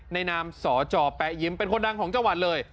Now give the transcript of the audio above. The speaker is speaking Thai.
นามสจแป๊ยิ้มเป็นคนดังของจังหวัดเลย